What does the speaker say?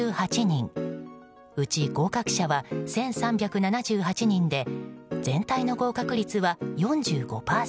うち合格者は１３７８人で全体の合格率は４５％。